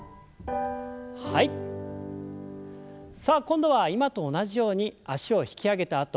さあ今度は今と同じように脚を引き上げた